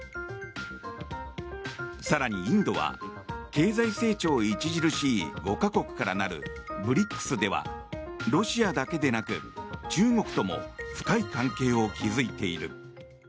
更にインドは経済成長著しい５か国からなるＢＲＩＣＳではロシアだけでなく中国とも深い関係を築いている。